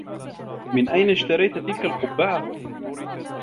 من أين اشتريت تلك القبّعة؟